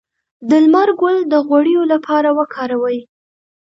د لمر ګل د غوړیو لپاره وکاروئ